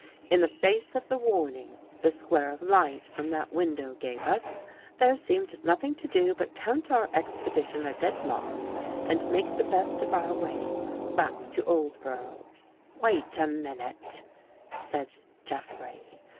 In the face of the warning the square of light from that window gave us, there seemed nothing to do but count our expedi tion a dead loss and make the best of our way back to Oldborough. 15 217 THE GHOST GIRL "Wait a minute!" said Jeffrey.